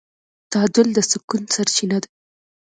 تعادل د سکون سرچینه ده.